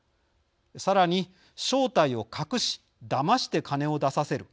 さらに正体を隠し、だまして金を出させる。